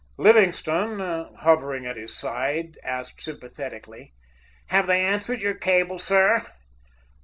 Livingstone, hovering at his side, asked sympathetically: "Have they answered your cable, sir?"